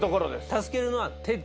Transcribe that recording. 助けるのは。